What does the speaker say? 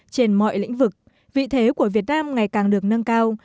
trên mọi lĩnh vực vị thế của việt nam ngày càng được nâng cao